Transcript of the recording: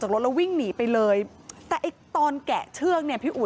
เจ้าแม่น้ำเจ้าแม่น้ำเจ้าแม่น้ำ